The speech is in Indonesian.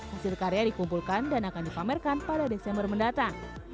hasil karya dikumpulkan dan akan dipamerkan pada desember mendatang